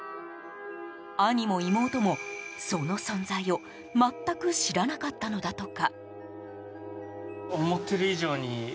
兄も妹も、その存在を全く知らなかったのだとか。